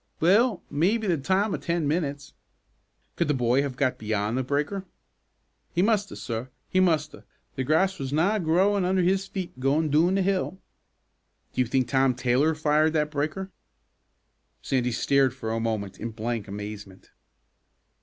"Well, maybe the time o' ten minutes." "Could the boy have got beyond the breaker?" "He must 'a', sir, he must 'a'; the grass was na growin' under his feet goin' doon the hill." "Do you think Tom Taylor fired that breaker?" Sandy stared for a moment in blank amazement.